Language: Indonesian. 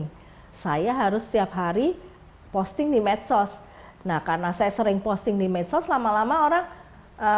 tak hanya itu relawan relawan yang bersedia menyisikan waktu energi dan dedikasinya untuk komunitas ini juga tak kalah banyak